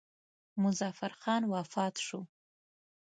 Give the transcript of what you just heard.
مظفر خان وفات شو.